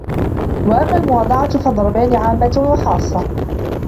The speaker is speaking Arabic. وَأَمَّا الْمُوَاضَعَةُ فَضَرْبَانِ عَامَّةٌ وَخَاصَّةٌ